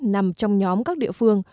nằm trong nhóm các địa phương